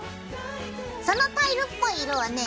そのタイルっぽい色はね